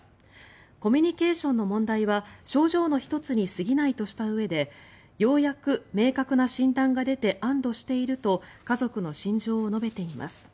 コミュニケーションの問題は症状の１つに過ぎないとしたうえでようやく明確な診断が出て安どしていると家族の心情を述べています。